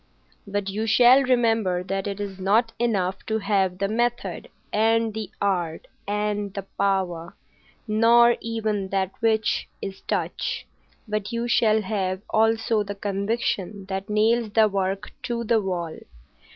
"But you shall remember that it is not enough to have the method, and the art, and the power, nor even that which is touch, but you shall have also the conviction that nails the work to the wall.